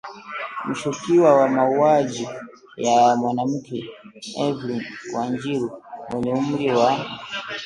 Mshukiwa wa mauji ya mwanamke Everlyn Wanjiru mwenye umri wa